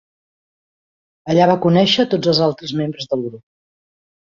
Allà va conèixer tots els altres membres del grup.